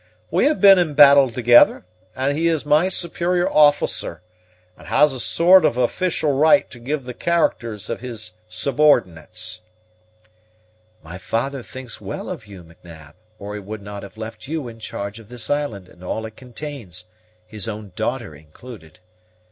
We have been in battle thegither, and he is my superior officer, and has a sort o' official right to give the characters of his subordinates." "My father thinks well of you, M'Nab, or he would not have left you in charge of this island and all it contains, his own daughter included.